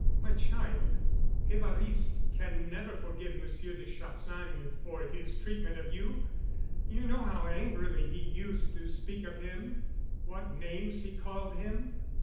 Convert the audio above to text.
"My child, Évariste can never forgive Monsieur de Chassagne for his treatment of you. You know how angrily he used to speak of him, what names he called him."